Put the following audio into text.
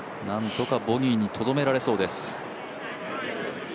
なんとかボギーにとどめられそうです。